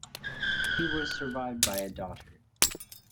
He was survived by a daughter.